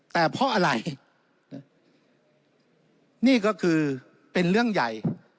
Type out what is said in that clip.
แต่เพราะอะไรนี่ก็คือเป็นเรื่องใหญ่